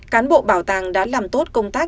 cán bộ bảo tàng đã làm tốt công tác